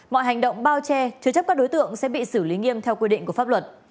mọi hành động bao che chứa chấp các đối tượng sẽ bị xử lý nghiêm theo quy định của pháp luật